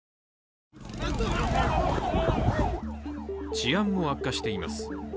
治安も悪化しています。